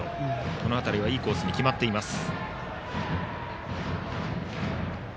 この当たりはいいコースに決まっています。